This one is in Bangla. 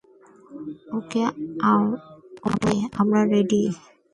ওকে, আমরা রেডি!